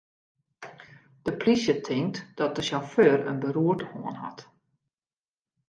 De plysje tinkt dat de sjauffeur in beroerte hân hat.